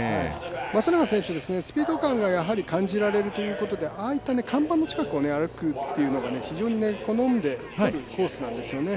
松永選手、スピード感が感じられるということでああいった看板の近くを歩くというのを非常に好むコースなんですよね。